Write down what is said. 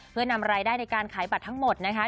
เพื่อนำรายได้ในการขายบัตรทั้งหมดนะคะ